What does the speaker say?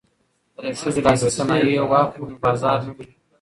که د ښځو لاسي صنایع واخلو نو بازار نه مري.